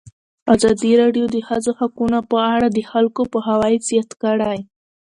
ازادي راډیو د د ښځو حقونه په اړه د خلکو پوهاوی زیات کړی.